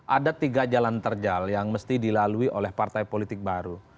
ada tiga jalan terjal yang mesti dilalui oleh partai politik baru